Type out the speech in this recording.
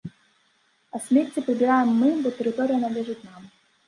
А смецце прыбіраем мы, бо тэрыторыя належыць нам.